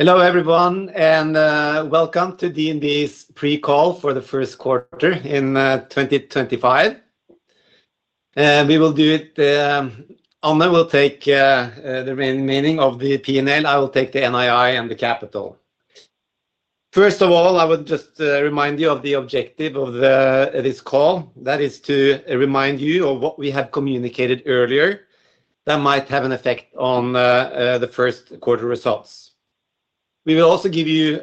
Hello everyone, and welcome to DNB's pre-call for the first quarter in 2025. We will do it. Anna will take the remaining of the P&L. I will take the NII and the capital. First of all, I would just remind you of the objective of this call. That is to remind you of what we have communicated earlier that might have an effect on the first quarter results. We will also give you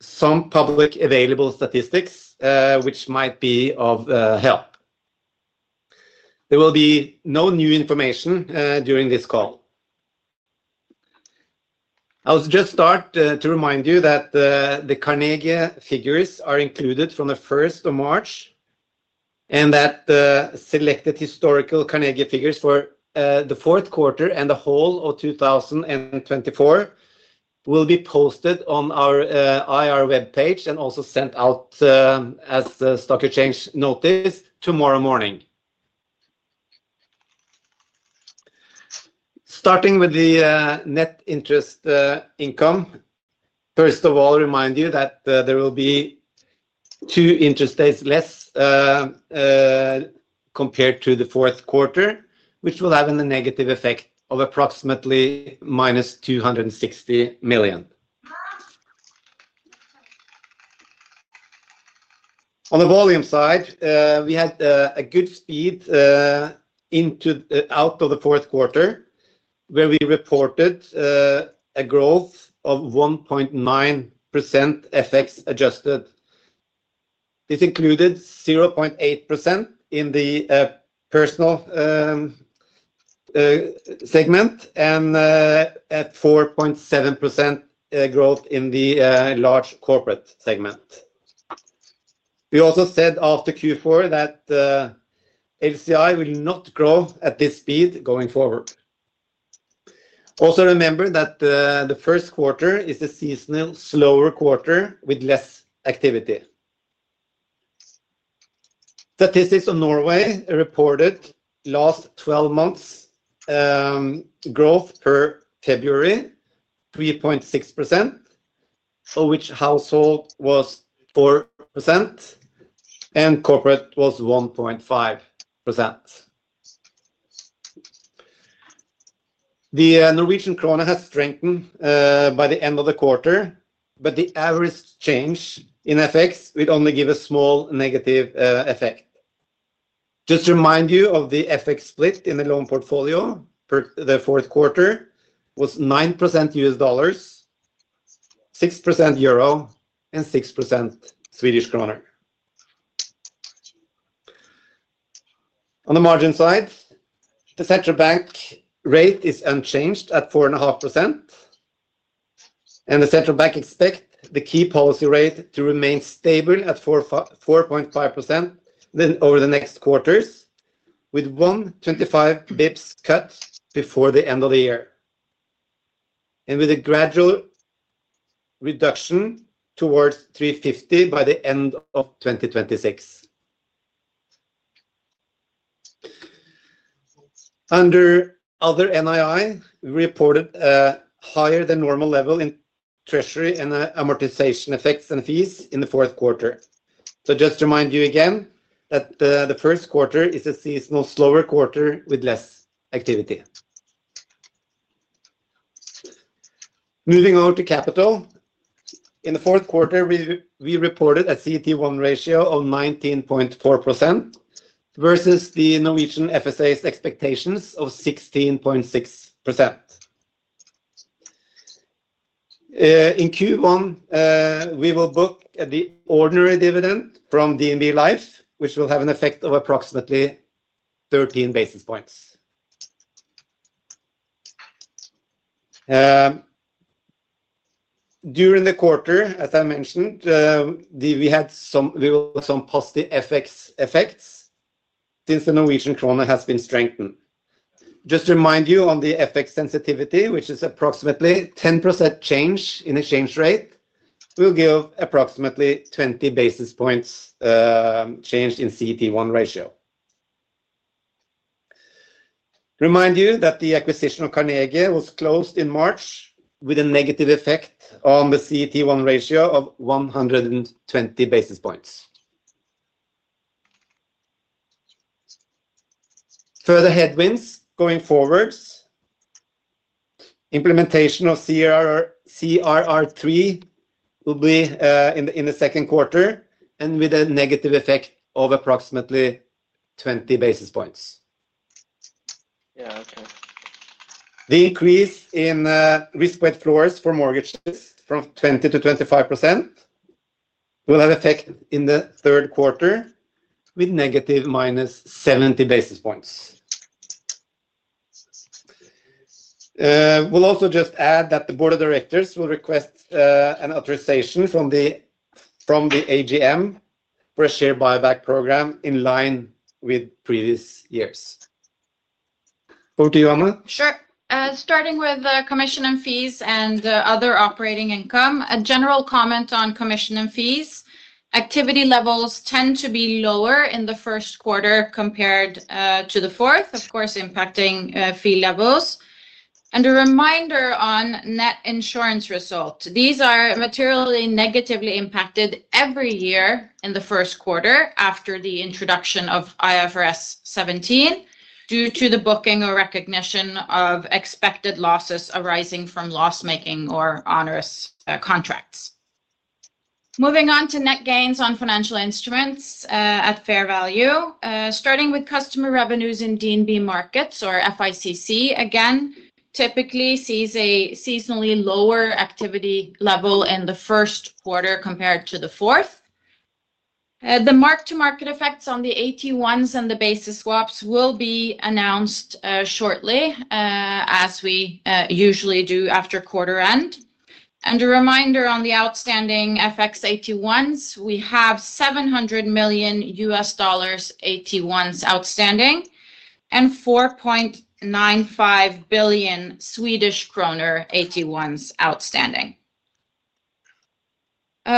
some public available statistics, which might be of help. There will be no new information during this call. I'll just start to remind you that the Carnegie figures are included from the 1st of March, and that selected historical Carnegie figures for the fourth quarter and the whole of 2024 will be posted on our IR web page and also sent out as Stock Exchange Notice tomorrow morning. Starting with the net interest income, first of all, remind you that there will be two interest rates less compared to the fourth quarter, which will have a negative effect of approximately NOK 260 million. On the volume side, we had a good speed out of the fourth quarter, where we reported a growth of 1.9% FX adjusted. This included 0.8% in the personal segment and 4.7% growth in the large corporate segment. We also said after Q4 that LCI will not grow at this speed going forward. Also remember that the first quarter is a seasonal, slower quarter with less activity. Statistics Norway reported last 12 months' growth per February, 3.6%, for which household was 4% and corporate was 1.5%. The Norwegian krone has strengthened by the end of the quarter, but the average change in FX will only give a small negative effect. Just to remind you of the FX split in the loan portfolio for the fourth quarter was 9% US dollars, 6% euro, and 6% Swedish kroner. On the margin side, the central bank rate is unchanged at 4.5%, and the central bank expects the key policy rate to remain stable at 4.5% over the next quarters, with one 25 basis points cut before the end of the year, and with a gradual reduction towards 3.50% by the end of 2026. Under other NII, we reported a higher than normal level in treasury and amortization effects and fees in the fourth quarter. Just to remind you again that the first quarter is a seasonal, slower quarter with less activity. Moving over to capital, in the fourth quarter, we reported a CET1 ratio of 19.4% versus the Norwegian FSA's expectations of 16.6%. In Q1, we will book the ordinary dividend from DNB Life, which will have an effect of approximately 13 basis points. During the quarter, as I mentioned, we had some positive FX effects since the Norwegian krone has been strengthened. Just to remind you on the FX sensitivity, which is approximately 10% change in exchange rate, will give approximately 20 basis points change in CET1 ratio. Remind you that the acquisition of Carnegie was closed in March with a negative effect on the CET1 ratio of 120 basis points. Further headwinds going forward, implementation of CRR3 will be in the second quarter and with a negative effect of approximately 20 basis points. Yeah, okay. The increase in risk-weight floors for mortgages from 20 to 25% will have effect in the third quarter with negative minus 70 basis points. We'll also just add that the board of directors will request an authorization from the AGM for a share buyback program in line with previous years. Over to you, Anna. Sure. Starting with the commission and fees and other operating income, a general comment on commission and fees. Activity levels tend to be lower in the first quarter compared to the fourth, of course, impacting fee levels. A reminder on net insurance results. These are materially negatively impacted every year in the first quarter after the introduction of IFRS 17 due to the booking or recognition of expected losses arising from loss-making or onerous contracts. Moving on to net gains on financial instruments at fair value. Starting with customer revenues in DNB Markets, or FICC, again, typically sees a seasonally lower activity level in the first quarter compared to the fourth. The mark-to-market effects on the AT1s and the basis swaps will be announced shortly, as we usually do after quarter end. A reminder on the outstanding FX AT1s, we have $700 million AT1s outstanding and SEK 4.95 billion AT1s outstanding.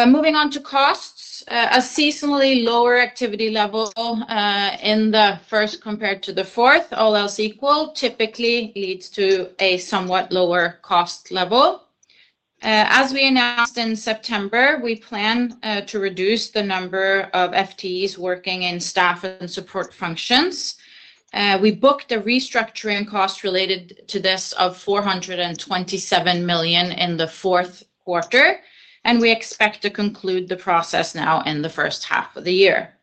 Moving on to costs, a seasonally lower activity level in the first compared to the fourth, all else equal, typically leads to a somewhat lower cost level. As we announced in September, we plan to reduce the number of FTEs working in staff and support functions. We booked a restructuring cost related to this of 427 million in the fourth quarter, and we expect to conclude the process now in the first half of the year.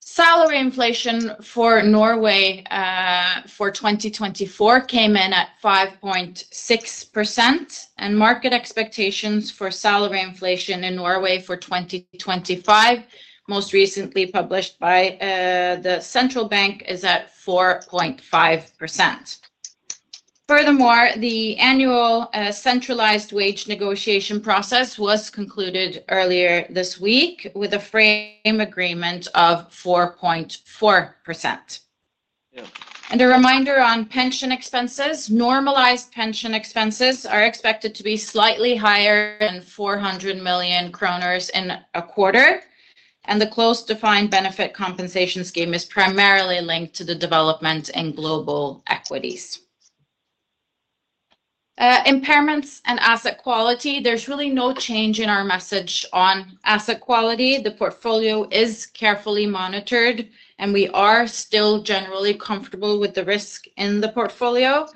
Salary inflation for Norway for 2024 came in at 5.6%, and market expectations for salary inflation in Norway for 2025, most recently published by the central bank, is at 4.5%. Furthermore, the annual centralized wage negotiation process was concluded earlier this week with a frame agreement of 4.4%. A reminder on pension expenses, normalized pension expenses are expected to be slightly higher than 400 million kroner in a quarter, and the closed defined benefit compensation scheme is primarily linked to the development in global equities. Impairments and asset quality, there is really no change in our message on asset quality. The portfolio is carefully monitored, and we are still generally comfortable with the risk in the portfolio.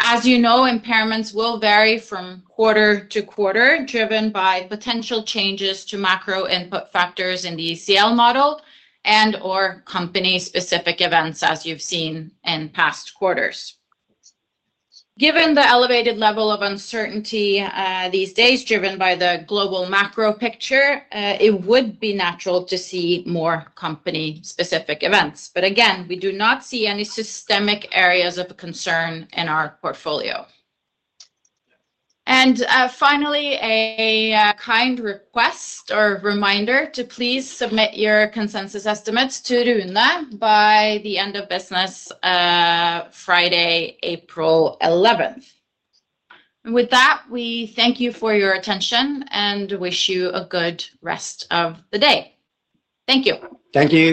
As you know, impairments will vary from quarter to quarter, driven by potential changes to macro input factors in the ECL model and/or company-specific events, as you have seen in past quarters. Given the elevated level of uncertainty these days, driven by the global macro picture, it would be natural to see more company-specific events. Again, we do not see any systemic areas of concern in our portfolio. Finally, a kind request or reminder to please submit your consensus estimates to Rune by the end of business Friday, April 11. With that, we thank you for your attention and wish you a good rest of the day. Thank you. Thank you.